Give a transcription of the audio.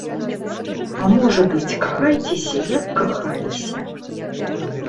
А можа быць, кахайцеся, як кахаліся.